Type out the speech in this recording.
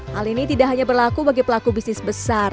hal ini tidak hanya berlaku bagi pelaku bisnis besar